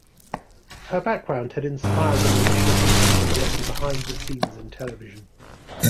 Her background had inspired an initial interest in working behind the scenes in television.